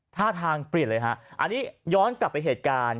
ท่าทางเปลี่ยนเลยฮะอันนี้ย้อนกลับไปเหตุการณ์